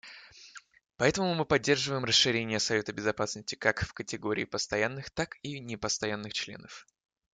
Поэтому мы поддерживаем расширение Совета Безопасности как в категории постоянных, так и непостоянных членов.